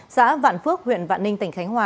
xã vạn phước huyện vạn ninh tỉnh khánh hòa